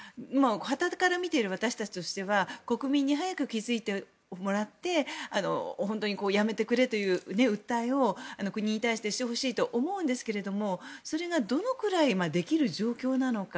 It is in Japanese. はたから見ている私たちとしては国民に早く気づいてもらって本当にやめてくれという訴えを国に対してしてほしいと思うんですけれどもそれが、どのくらいできる状況なのか。